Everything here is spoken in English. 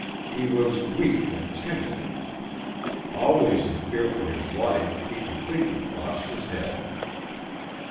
He was weak and timid. Always in fear for his life, he completely lost his head.